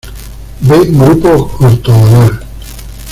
Ve grupo ortogonal.